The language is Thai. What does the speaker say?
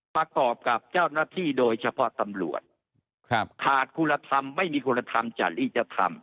ประกอบกับเจ้าหน้าที่โดยเฉพาะตำรวจขาดคุณธรรมไม่มีคุณธรรมจริยธรรม